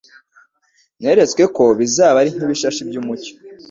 neretswe ko bizaba ari nk'ibishashi by'umucyo